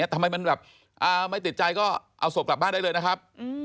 ทำไมมันแบบไม่ติดใจก็เอาศพกลับบ้านได้เลยนะครับ